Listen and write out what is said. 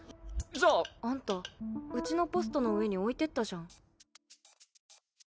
じゃあ。あんたうちのポストの上に置いてったじゃん。